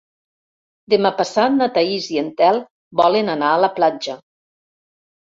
Demà passat na Thaís i en Telm volen anar a la platja.